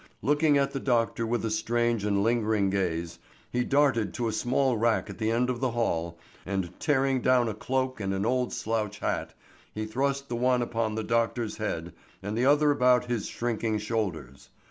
Looking at the doctor with a strange and lingering gaze, he darted to a small rack at the end of the hall, and, tearing down a cloak and an old slouch hat, he thrust the one upon the doctor's head and the other about his shrinking shoulders.